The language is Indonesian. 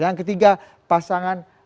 yang ketiga pasangan